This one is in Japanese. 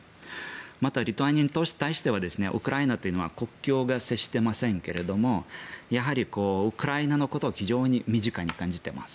また、リトアニアとしてはウクライナというのは国境が接していませんがウクライナのことは非常に身近に感じています。